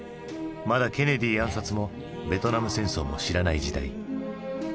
まだケネディ暗殺もベトナム戦争も知らない時代。